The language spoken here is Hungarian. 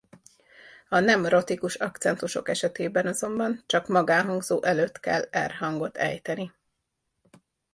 A nem-rotikus akcentusok esetében azonban csak magánhangzó előtt kell r hangot ejteni.